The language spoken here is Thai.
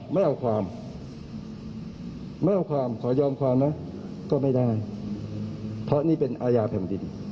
ไม่เอาความไม่เอาความขอยอมความนะก็ไม่ได้เพราะนี่เป็นอาญาแผ่นดิน